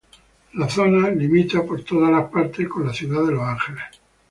La zona limita por todas las partes con la Ciudad de Los Ángeles.